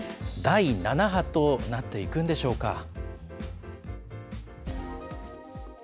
第７波となっていくんでしょうか。